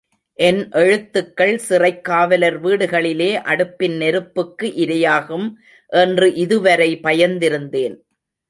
என் எழுத்துக்கள் சிறைக்காவலர் வீடுகளிலே அடுப்பின் நெருப்புக்கு இரையாகும் என்று இதுவரை பயந்திருந்தேன்.